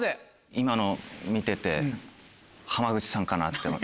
今のを見てて浜口さんかなって。